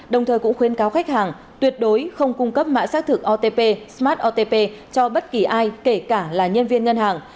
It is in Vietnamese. đồng thời cũng khuyến cáo khách hàng tuyệt đối không cung cấp mã xác thực otp smart otp cho bất kỳ ai kể cả là nhân viên ngân hàng